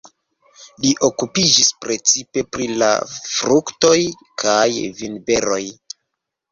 Li okupiĝis precipe pri la fruktoj kaj vinberoj.